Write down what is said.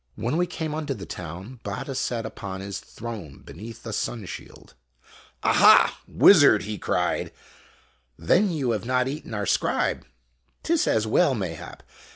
When we came unto the town, Batta sat upon his throne be neath a sun shield. "Aha! Wizard," he cried, "then you have not eaten our scribe? 'T is as well, mayhap.